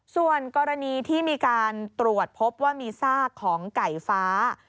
ส่วนกรณีที่มีการตรวจพบว่ามีซากของไก่ฟ้า